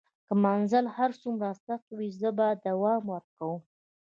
که مزل هر څومره سخت وي زه به دوام ورکوم.